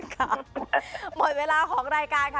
ค่ะหมดเวลาของรายการค่ะ